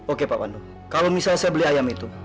oke pak pandu kalau misalnya saya beli ayam itu